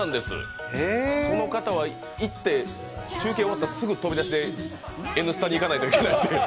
その方は行って中継終わったらすぐ飛び出して「Ｎスタ」に行かないといけないという。